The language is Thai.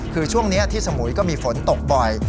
คือช่วงนี้ที่สมุยก็มีฝนตกบ่อย